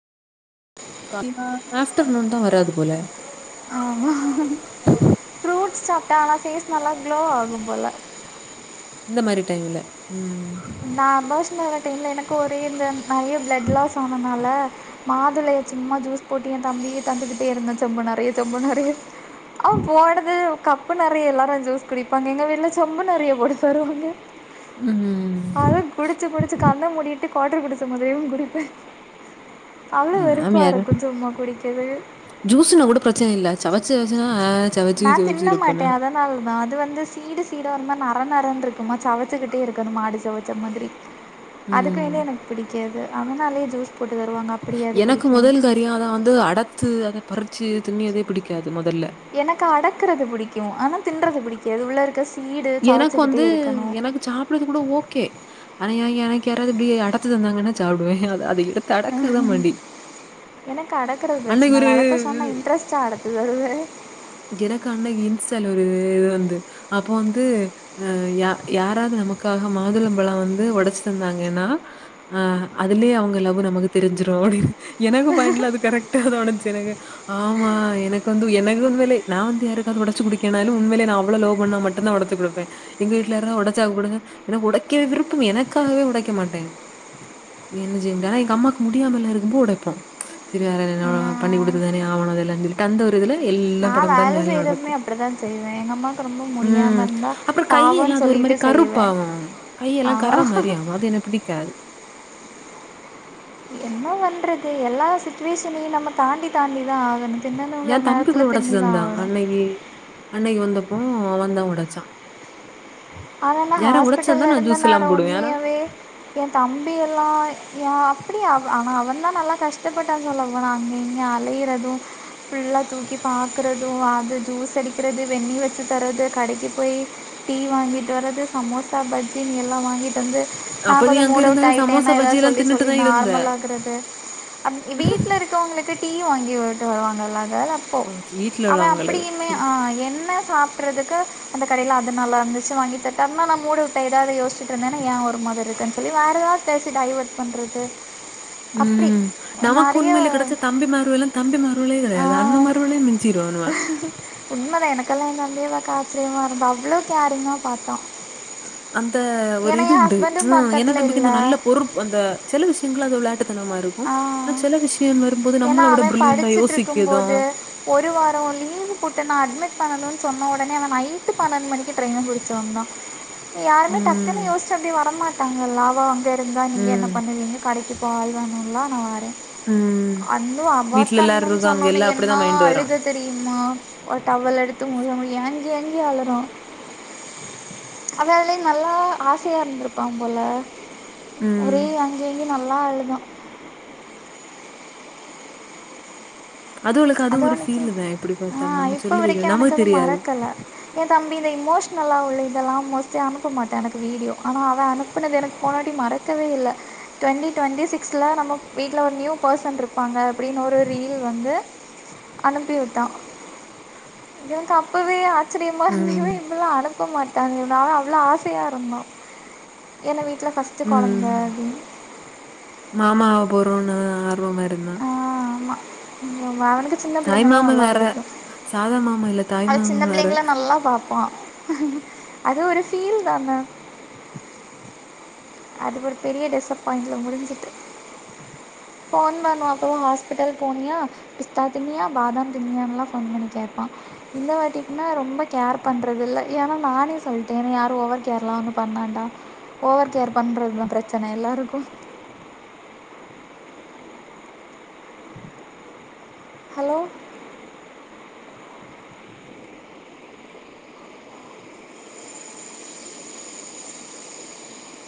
Afternoon தா வராரு போல ஹ ஃப்ரூட்ஸ் சாப்பிட்டா ஆனா பேஸ் நல்லா க்ளோ ஆகும் போல இந்த மாரி டைம்ல ம் நா அபாஷன் ஆனா டைம்ல எனக்கு ஒரே இந்த நெறையா ப்ளெட் லாஸ் ஆனதுனால மாதுளையை சும்மா ஜூஸ் போட்டு என் தம்பி தந்துக்கிட்டே இருந்தான் செம்பு நெறைய செம்பு நெறைய அவன் போடது கப் பு நெறைய எல்லாரும் ஜூஸ் குடிப்பாங்க எங்க வீட்ல சம்பு நெறைய போட்டு வருவாங்க ம் ம் புடிச்சு புடிச்சு கண்ண முடிட்டு தா குவட்டர் குடிச்ச மாரியே குடிப்பேன் அவ்ளோ வெறுப்ப மாமியாரு இருக்கும் சும்மா குடிக்கவே ஜூஸ்ன்னா கூட பிரச்சனை இல்ல சவச்சுச்சுனா சவச்சு சவிச்சு இருப்பன்ன அதால தான் அது வந்து சீடு சீடா ஒரு மாரி நர நறன்னந்த இருக்குமா சவச்சக்கிட்டே இருக்கது மாடு சவைச்ச மாதிரி அதுக்கு ம். வந்து எனக்கு பிடிக்காது அதனாலயே ஜூஸ் போட்டு தருவாங்க அப்டியாது எனக்கு பிடிக்குன்னு முதல் அத அதான் வந்து அடத்து அத பறிச்சு திண்ணியதே பிடிக்காது மொதல்ல எனக்கு அடக்குறது பிடிக்கும் ஆனா தின்றது பிடிக்காது அது உள்ள சீட் எனக்கு வந்து எனக்கு சாப் கூட ஓகே ஆன எனக்கு யாராவது இப்டி அடச்சு தந்தாங்கன்னா சாப்பிடுவே அத எடு எனக்கு அடக்றது அன்னைக்கு பிரச்சனை இல்ல ஒரு அடக்க சொன்னாஇன்ட்ரெஸ்ட்டா அடக்குவே அது எனக்கு அன்னைக்கு இன்ஸ்டால்ல ஒரு இது வந்து அப்போ வந்து அயா யாராவது நமக்காக மாதுளம்பழம் வந்து ஒடச்சு தந்தாங்கன்னா ஆ அதுலயே அவங்க லவ் நமக்கு தெரிஞ்சிரும் அப்டின்னு எனக்கு பயன்ல அது கரெக்டா தா நடந்ச்சு எனக்கு ஆமா எனக்கு வந்து எனக்குந்து உண்மைலேயே நான் வந்து யாருக்காது ஒடச்சு குடுக்கினாலு உண்மைலியே நா அவ்ளோ லவ் பண்ணா மட்டுந்தா ஒடச்சு குடுப்பன் எங்க வீட்ல இருந்தா ஒடச்சா கூடுங்க எனக்கு ஒடைக்க விருப்பம் எனக்காகவே ஒடைக்க மாட்டேன் என்ன செய்ய முடியா ஆனா எங்க அம்மாக்கு முடியாமலா இருக்கும்போ ஒடைப்போம் சரி வேற எதுனா பண்ணி கொடுத்ததானே ஆவுணும் எல்லாம் சொல்லிட்டு அந்த ஒரு இதுல எல்லாம் நான் படபடன் வேலை வேல செய்கிறதுமே நடக்கும் அப்படி தான் செய்வேன் எங்கள் அம்மாவுக்கு ரொம்ப முடியாமல் ம் இருந்தால் அப்புறம் கையெல்லாம் பாவம்னு அது ஒரு மாரி சொல்லிட்டு செய்வேன் கருப்பாவும் கையெல்லாம் கற மாரி ஆகும் அது எனக் பிடிக்காது என்ன பண்றது எல்லா சுச்சுவேஷனையும் நம்ம தாண்டி தாண்டி தான் ஆகணும் திண்ணணுங்கிற என் தம்பி கூட நேரத்தில் திண்ணி தான் ஒடச்சிதந்தான் ஆகணும் அன்னைக்கு அன்னைக்கு வந்தப்போ அவந்தான் ஒடச்சான் ஆவனா தந்தா ஹாஸ்பிட்டல்ல நான் இருந்த ஜூஸ்லாம் நேரம் போடுவேன். ஆனா உண்மையாவே என் தம்பி எல்லாம் ஏன் அப்டியா அவ ஆனா அவன் தான் நல்லா கஷ்டப்பட்ட சொல்ல போனா அங்க இங்க அலையறதும் ஃபுல்லா தூக்கி பாக்குறது அது ஜூஸ் அடிக்கிறது வெண்ணி வெச்சு தரறது கடைக்கு போய் டீ வாங்கிட்டு வரது சமோசா பஜ்ஜின் எல்லா வாங்கிட்டு வந்து நா அப்ப நீ கொஞ்சோ அங்க மூடவுட் இருந்தாலும் சமோசா, ஆயிட்டனே எதாது பஜ்ஜிலாம் சொல்லி தின்னுட்டு சொல்லி தான் இருந்த. நார்மல் ஆக்குறது அப் வீட்ல இருக்கிறவங்களுக்கு டீ வாங்கி விட்டு வருவாங்கல்ல [inaudible] போ ஓ! சி- வீட்ல அவ உள்ளவங்களுக்கு. அப்படியுமே சரி, ஆ சரி. என்ன சாப் ட்றதுக்கு அந்த கடையில அது நல்லா இருந்துச்சு வாங்கிட் [unintelligible] நா மூடவுட் ஆயிடுவே எதா யேச்சிட்டு இருந்தேன்னா ஏன் ஒரு மாதிரி இருக்கன்னு சொல்லி வேறு எதாவது பேசி டைவேர்ட் பண்றது அப்டி ம். நமக்கு உண்மையிலே கெடச்சா தம்பி மார்வ எல்லா தம்பி மாறுவளே கெடையாது அண்ண மாருவளே மிஞ்சிருவாளுக உண்மதா எனக்கெல்லா ஏ தப்பிய பாக்க ஆச்சரியமா இருந்த அவ்ளோ கேரிங்க பாப்பா அந்த ஒரு இது உண்டு ஹஸ்பண்டும் ம் என்ன பக்கத்தில் தம்பிக்கி இந்த இல்லை நல்ல பொறுப் அந்த சில விஷயங்கள் அது வெளாயாட்டு தானமா இருக் கு ஆனா சில விஷயம் வரும்போது ஏன்னா நம்மள விட அவன் பிரிலியன்டா படிச்சுட்டு யோசிக்கக்குது இருக்கும்போது ஒரு வாரோ லீவு போட்டு நா அட்மிட் பண்ணணுன்னு சொன்ன ஒடனே அவ நைட்டு பன்னெண்டு மணிக்கு டிரெயின புடிச்சு வந்தா யாரும டக்குன்னு ம் யோசிச்சு அப்டி வர மாட்டாங்கல்ல அவ அங்க இருந்தா நீங்க என்ன ம் பண்ணுவீங்க கடைக்கி பால் வாங்கனுல நா வரே ம் ஐய்யோ அபாட் வீட்ல எல்லாரு பண்ணுனு இருக்காங்க சொன்னோன்ன எல்லா என்ன அப்டிதா மைண்ட் வரு அழுக தெரியுமா ஒரு டவள் எடுத்து [unintelligible] ஏங்கி ஏங்கி அளறா அவ [unintelligible] நல்லா ஆசையா இருந்திருப்பா போல ம் ஒரே ஏங்கி ஏங்கி நல்லா அழுதா அதுவளுக்கு அது அத ஒரு அவனிக்கு ஃபீலுதா எப்டி ஆ பாத்தாலு நம்ம இப்ப சொல்லுதுக வரைக்கி அவனுக்கு நமக்கு அது தெரியாது மறக்கல எங்க தம்பி இந்த இமோஷ்னலா உள்ள இதெல்லா மோஸ்ட்லி அனுப்ப மாட்டே எனக்கு வீடியோ ஆனா அவ அனுப்புனது எனக்கு போனாட்டி மறக் க்கவே இல்ல டுவெண்டி டுவெண்டி சிக்ஸ்ல நம்ம வீட்ல ஒரு நியூ பர்சன் இருப்பாங்க அப்டின்னு ஒரு ரீல் வந்து அனுப்பி விட்டா எனக்கு அப்பவே ஆச்சரியமா இருந்து ம் இவ [inaudible] அனுப்ப மாட்டானே இவ அவ்ளோ ஆசையா இருந்தா ஏன்ன வீட்ல ஃபஸ்ட் ட்டு கொழந்த ம் மாமா ஆவப்போறோன்னு ஆர்வமா இருந்தா ஆ ஆமா அவனுக்கு சின்ன தாய் பிள்ளைங்கனா மாமன் நல்லா வேற பிடிக்கு சாதா மாமா இல்ல தாய் அது சின்ன மாமன் வேற பிள்ளைங்கள்ள நல்லா பாப்பா அது ஒரு ஃபீல் தான அது ஒரு பெரிய டிசப்பாயிண்ட்ல முடிஞ்சிட்டு ஃபோன் பண்ணுவா அப்பதா ஹாஸ்பிட்டல் போனியா பிஸ்தா திண்ணியா பாதாம் திண்ணியான்லா ஃபோன் பண்ணி கேப்பா இந்த வாட்டினா ரொம்ப கேர் பண்றது இல்ல ஏன்னா நானே சொல்லிட்டே என்ன யாரு ஓவர் கேர்லா ஒன்னு பண்ண வேன்டா ஓவர் கேர் பண்றதா பிரச்சன எல்லாருக்கு ஹலோ